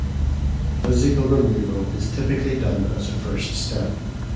Physical removal is typically done as a first step.